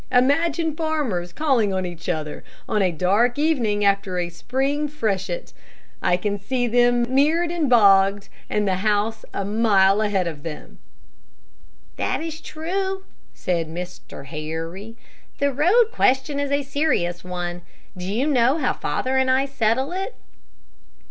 Imagine farmers calling on each other on a dark evening after a spring freshet. I can see them mired and bogged, and the house a mile ahead of them." "That is true," said Mr. Harry, "the road question is a serious one. Do you know how father and I settle it?"